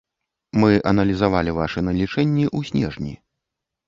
Мы аналізавалі вашы налічэнні ў снежні.